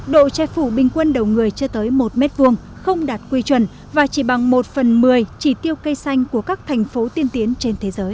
độ che phủ bình quân đầu người chưa tới một m hai không đạt quy chuẩn và chỉ bằng một phần một mươi chỉ tiêu cây xanh của các thành phố tiên tiến trên thế giới